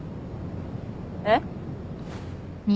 えっ？